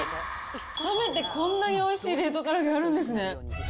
冷めてこんなにおいしい冷凍から揚げあるんですね。